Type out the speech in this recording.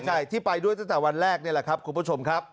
ใช่ที่ไปด้วยตั้งแต่วันแรกนี่แหละครับคุณผู้ชมครับ